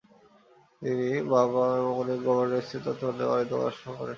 তিনি বাবা-মা এবং অনেক গভার্নেসের তত্ত্বাবধানে বাড়ীতে পড়াশোনা করেন।